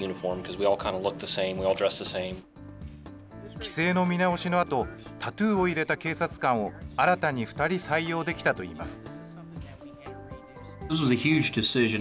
規制の見直しのあと、タトゥーを入れた警察官を新たに２人採用できたといいます。